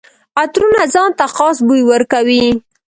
عطرونه ځان ته خاص بوی ورکوي.